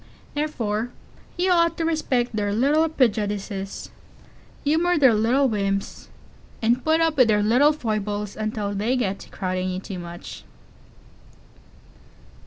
Therefore you ought to respect their little prejudices, and humor their little whims, and put up with their little foibles until they get to crowding you too much.